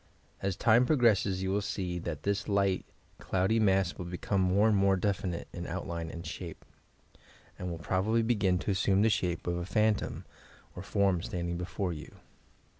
As time progresses you will see that this light, cloudy mass will become more and more definite in outline and shape. YOUR PSYCHIC POWERS and will probably begin to assume the shape of a phan tom or form standing before you.